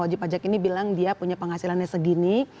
wajib pajak ini bilang dia punya penghasilannya segini